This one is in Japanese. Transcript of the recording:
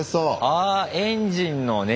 あエンジンの熱。